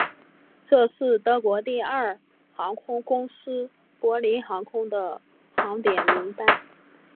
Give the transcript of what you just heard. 这是德国第二大航空公司柏林航空的航点名单。